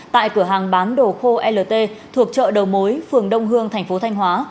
tại cửa hàng bán đồ khô lt thuộc chợ đầu mối phường đông hương thành phố thanh hóa